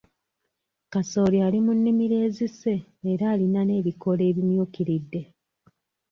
Kasooli ali mu nnimiro ezise era alina n'ebikoola ebimyukiridde.